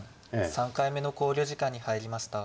３回目の考慮時間に入りました。